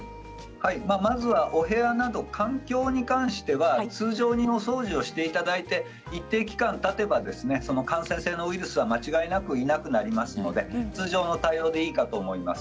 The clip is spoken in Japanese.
まずはお部屋など環境に関しては通常のお掃除をしていただいて一定期間例えば感染性のウイルスが間違いなくいなくなりますので通常の対応でいいと思います。